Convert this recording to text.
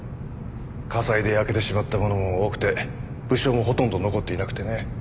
火災で焼けてしまったものも多くて物証もほとんど残っていなくてね。